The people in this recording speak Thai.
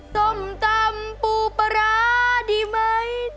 ต้มตำปูปะระดีไหม